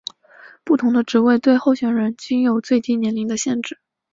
不同的职位对候选人均有最低年龄的限制。